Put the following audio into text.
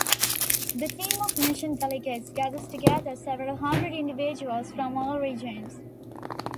The team of mission delegates gathers together several hundred individuals from all regions.